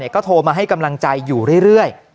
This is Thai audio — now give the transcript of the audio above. ก็โทรมาให้กำลังใจอยู่เรื่อย